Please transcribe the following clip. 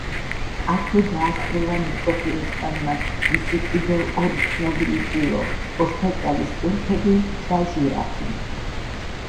აქვე დაასრულა ნიკო ფიროსმანმა მისი კიდევ ორი ცნობილი ტილო, „ორთაჭალის ტურფები“ და „ჟირაფი“.